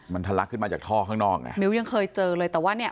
มันทะลักขึ้นมาจากท่อข้างนอกไงมิ้วยังเคยเจอเลยแต่ว่าเนี่ย